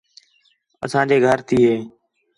اساں جے گھر تی ہے